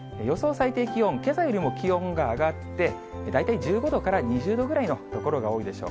最低気温、けさよりも気温が上がって、大体１５度から２０度ぐらいの所が多いでしょう。